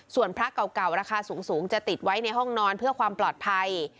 ส่วนพระเก่าราคาสูงจะติดไว้ในห้องนอนเพื่อความปลอดภัย